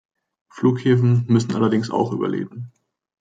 Flughäfen müssen allerdings auch überleben.